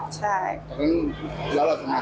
เจ้าของห้องเช่าโพสต์คลิปนี้